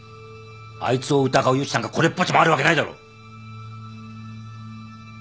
あいつを疑う余地なんかこれっぽっちもあるわけないだろ！